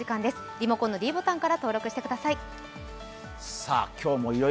リモコンのｄボタンから登録してください。